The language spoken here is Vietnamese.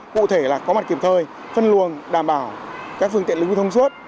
cụ thể là có mặt kiểm thời phân luồng đảm bảo các phương tiện lưu thông suất